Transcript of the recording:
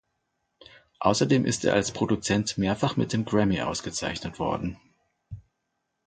Außerdem ist er als Produzent mehrfach mit dem Grammy ausgezeichnet worden.